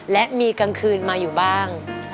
และมีกลางคืนมาอยู่บ้าง